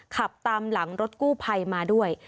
ขับตามหลังรถกู้ภัยมาด้วย